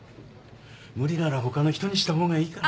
無理なら他の人にした方がいいかな。